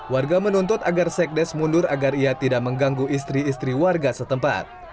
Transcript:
warga menuntut agar sekdes mundur agar ia tidak mengganggu istri istri warga setempat